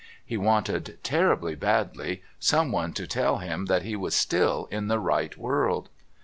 He wanted, terribly badly, someone to tell him that he was still in the right world...